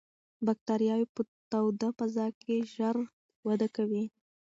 باکتریاوې په توده فضا کې ژر وده کوي.